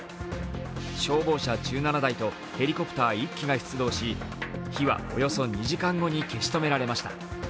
消防車１７台とヘリコプター１機が出動し火はおよそ２時間後に消し止められました。